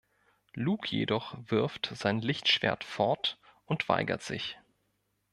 Luke jedoch wirft sein Lichtschwert fort und weigert sich.